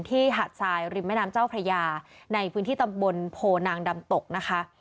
หาดทรายริมแม่น้ำเจ้าพระยาในพื้นที่ตำบลโพนางดำตกนะคะ